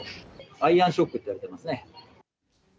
アイアンショックといわれてますね。